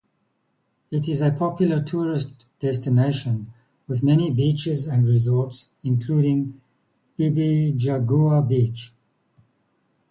It is a popular tourist destination, with many beaches and resorts, including Bibijagua Beach.